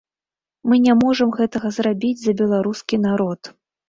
Мы не можам гэтага зрабіць за беларускі народ.